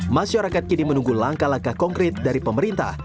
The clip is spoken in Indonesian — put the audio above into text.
masyarakat kini menunggu langkah langkah konkret dari pemerintah